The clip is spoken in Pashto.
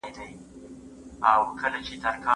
سړه هوا ښايي د خلګو خوی بدل کړي.